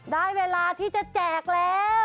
ได้เวลาที่จะแจกแล้ว